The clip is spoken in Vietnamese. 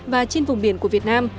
và trên vùng biển của việt nam